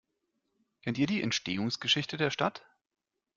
Kennt ihr die Entstehungsgeschichte der Stadt?